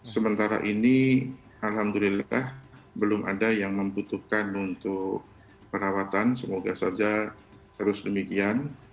sementara ini alhamdulillah belum ada yang membutuhkan untuk perawatan semoga saja terus demikian